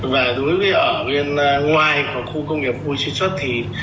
và đối với ở bên ngoài của khu công nghiệp ui chí xuất thì